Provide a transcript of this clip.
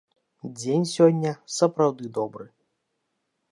Дзень сёння сапраўды добры.